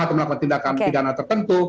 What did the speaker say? atau melakukan tindakan pidana tertentu